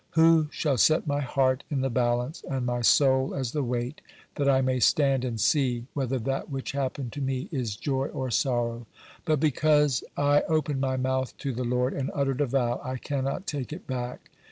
Who shall set my heart in the balance and my soul as the weight, that I may stand and see whether that which happened to me is joy or sorrow? But because I opened my mouth to the Lord, and uttered a vow, I cannot take it back."